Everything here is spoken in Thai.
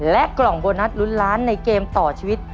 กล่องโบนัสลุ้นล้านในเกมต่อชีวิต